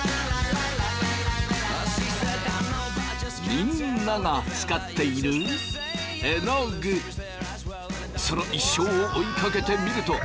みんなが使っているその一生を追いかけてみると。